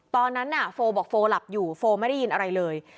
ตอนนั้นน่ะโฟบอกโฟหลับอยู่โฟไม่ได้ยินอะไรเลย